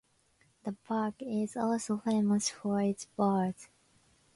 The park is also famous for its bars.